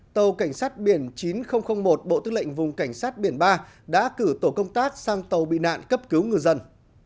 tàu cảnh sát biển chín nghìn một bộ tư lệnh vùng cảnh sát biển ba đã cử tổ công tác sang tàu bị nạn cấp cứu ngư dân